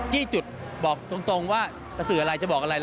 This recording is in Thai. จี้จุดบอกตรงว่าจะสื่ออะไรจะบอกอะไร